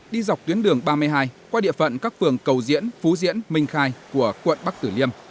đi dọc tuyến đường ba mươi hai qua địa phận các phường cầu diễn phú diễn minh khai của quận bắc tử liêm